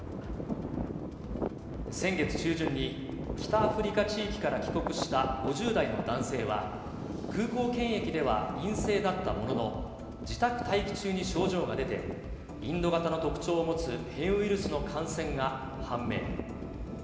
先月中旬に、北アフリカ地域から帰国した５０代の男性は、空港検疫では陰性だったものの、自宅待機中に症状が出て、インド型の特徴を持つ変異ウイルスの感染が判明。